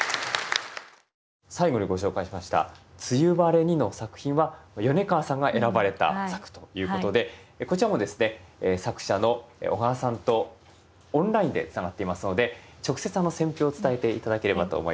最後にご紹介しました「梅雨晴れに」の作品は米川さんが選ばれた作ということでこちらも作者の小川さんとオンラインでつながっていますので直接選評を伝えて頂ければと思います。